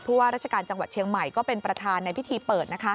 ว่าราชการจังหวัดเชียงใหม่ก็เป็นประธานในพิธีเปิดนะคะ